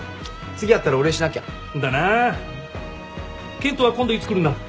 健人は今度いつ来るんだ？